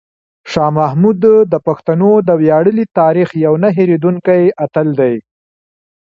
شاه محمود د پښتنو د ویاړلي تاریخ یو نه هېرېدونکی اتل دی.